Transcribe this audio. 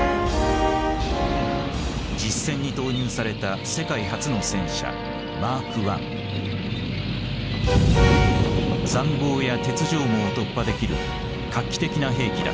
実戦に投入された世界初の戦車塹壕や鉄条網を突破できる画期的な兵器だった。